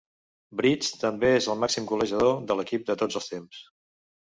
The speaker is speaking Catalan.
Bridge també és el màxim golejador de l'equip de tots els temps.